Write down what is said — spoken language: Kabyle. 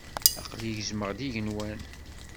Aqli gezmeɣ-d igenwan.